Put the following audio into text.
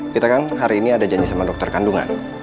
kita kan hari ini ada janji sama dokter kandungan